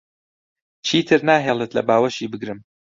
چیتر ناهێڵێت لە باوەشی بگرم.